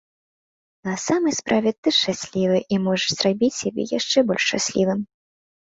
На самай справе ты шчаслівы і можаш зрабіць сябе яшчэ больш шчаслівым.